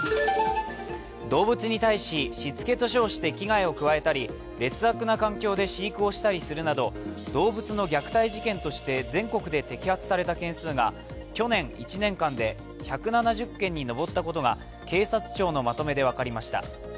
動物に対し、しつけと称して危害を加えたり劣悪な環境で飼育をしたりするなど動物の虐待事件として全国で摘発された件数が去年１年間で１７０件に上ったことが警察庁のまとめで分かりました。